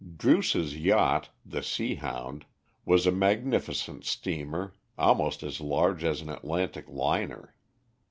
Druce's yacht, the Seahound, was a magnificent steamer, almost as large as an Atlantic liner.